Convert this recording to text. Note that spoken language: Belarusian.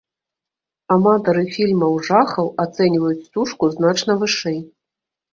Аматары фільмаў жахаў ацэньваюць стужку значна вышэй.